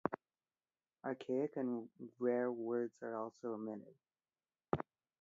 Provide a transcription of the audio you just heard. Archaic and rare words are also omitted.